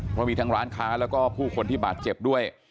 เพราะมีทั้งร้านค้าแล้วก็ผู้คนที่บาดเจ็บด้วย